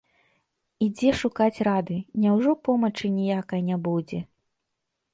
І дзе шукаць рады, няўжо помачы ніякай не будзе?